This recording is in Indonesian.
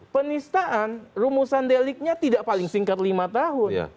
penistaan rumusan deliknya tidak paling singkat lima tahun